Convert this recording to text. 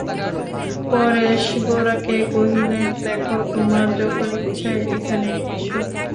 পরেশ গোরাকে কহিলেন, দেখো, তোমার যখন ইচ্ছা এখানে এসো।